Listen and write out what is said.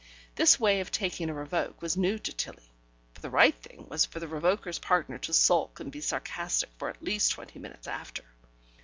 This way of taking a revoke was new to Tilling, for the right thing was for the revoker's partner to sulk and be sarcastic for at least twenty minutes after.